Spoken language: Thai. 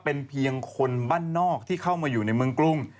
เป็นเพียงคนบ้านนอกที่เข้ามาอยู่ในเมืองกรุง